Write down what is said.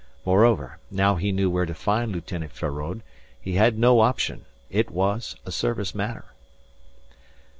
Moreover, now he knew where to find Lieutenant Feraud, he had no option. It was a service matter.